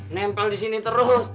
nempel disini terus